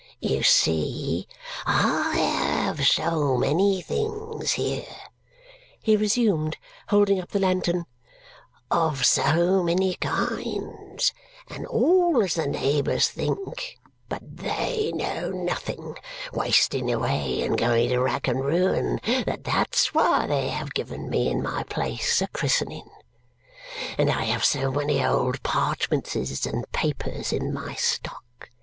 "You see, I have so many things here," he resumed, holding up the lantern, "of so many kinds, and all as the neighbours think (but THEY know nothing), wasting away and going to rack and ruin, that that's why they have given me and my place a christening. And I have so many old parchmentses and papers in my stock.